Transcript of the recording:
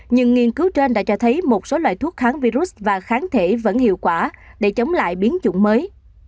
nhưng nghiên cứu trên đã cho thấy một số loại thuốc kháng virus và kháng thể vẫn hiệu quả để chống lại biến chủng mới